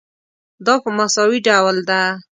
دا په مساوي ډول ده.